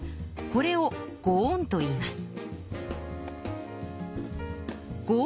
これを奉公といいます。